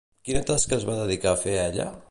Quina tasca es va dedicar a fer ella?